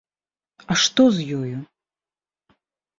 А што з ёю?